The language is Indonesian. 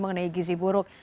mengenai gizi buruk